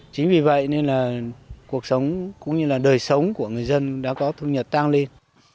chính vì vậy nên là cuộc sống cũng như là đời sống của người dân đã có thu nhật tăng lên